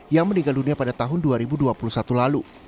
yang meninggal dunia pada tahun dua ribu dua puluh satu lalu